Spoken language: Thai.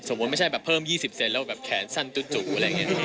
สมมุติไม่ใช่แบบเพิ่ม๒๐เซนต์แล้วแขนสั้นจุ๊บอะไรอย่างนี้